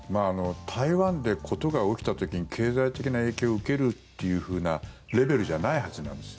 台湾で事が起きた時に経済的な影響を受けるっていうふうなレベルじゃないはずなんです。